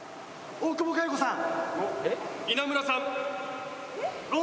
大久保佳代子さん？